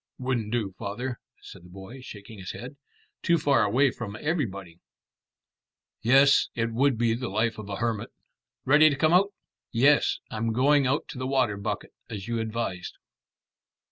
"Wouldn't do, father," said the boy, shaking his head. "Too far away from everybody." "Yes, it would be the life of a hermit. Ready to come out?" "Yes, I'm going out to the water bucket, as you advised."